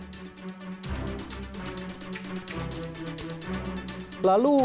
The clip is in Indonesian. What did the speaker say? kedua mengakui kejahatan yang dilakukan oleh penyidik atau penuntut umum